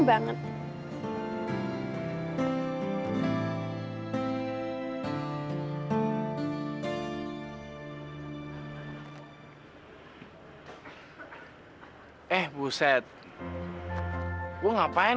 aku pasti seneng banget